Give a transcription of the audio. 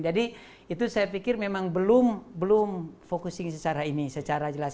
jadi itu saya pikir memang belum focusing secara ini secara jelas